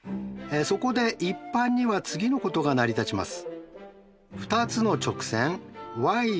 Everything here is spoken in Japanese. そこで一般には次のことが成り立ちます。